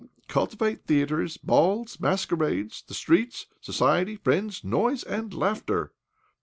Cultivate theatres, balls, mas querades, the streets, society, friends, noise, and laughter."